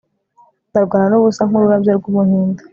ndarwana nubusa nkururabyo rwumuhindo